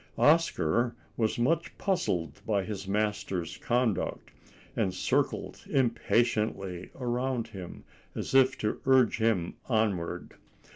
Oscar was much puzzled by his master's conduct, and circled impatiently around him, as if to urge him onward.